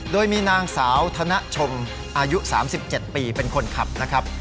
โดยมีนางสาวธนชมอายุ๓๗ปีเป็นคนขับนะครับ